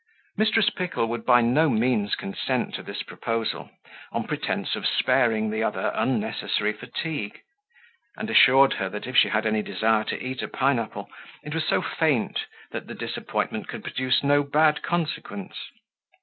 Mrs. Pickle would by no means consent to this proposal, on pretence of sparing the other unnecessary fatigue; and assured her, that if she had any desire to eat a pine apple, it was so faint, that the disappointment could produce no bad consequence.